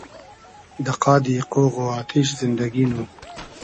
دۂ قادی قۉغ و آتیش زیندئگی نوم